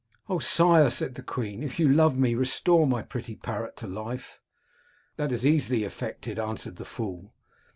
"* O sire,' said the queen, * if you love me, restore my pretty parrot to life.' "* That is easily effected,' answered the fool.